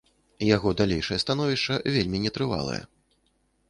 Яго далейшае становішча вельмі нетрывалае.